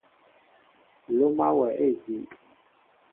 Loma wɛ a ediw.